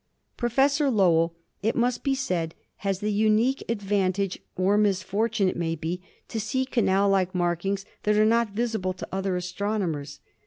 Professor Lowell, it must be said, has the unique ad vantage, or misfortune it may be, to see canal like mark ings that are not visible to other astronomers.